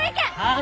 あ！